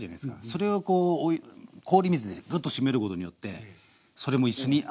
それを氷水でグッとしめることによってそれも一緒に味わえる。